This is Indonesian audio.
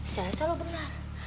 saya selalu benar